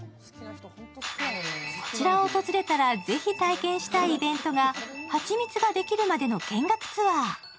こちらを訪れたらぜひ体験したいイベントがはちみができるまでの見学ツアー。